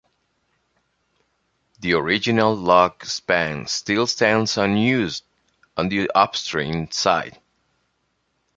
The original Locke span still stands unused on the upstream side.